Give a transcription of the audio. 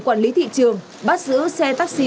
quản lý thị trường bác sứ xe taxi